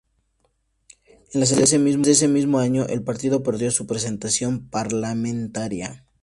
En las elecciones de ese mismo año, el partido perdió su representación parlamentaria.